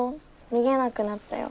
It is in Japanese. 逃げなくなったよ。